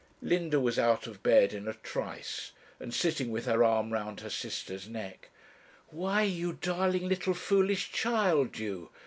Linda was out of bed in a trice, and sitting with her arm round her sister's neck. 'Why, you darling little foolish child, you!